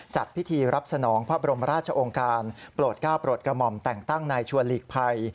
จัดพิธีรับสนองพระบรมราชองค์การโปรดก้าวโปรดกระหม่อมแต่งตั้งนายชวนหลีกภัย